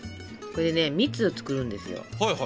これでね蜜を作るんですよ。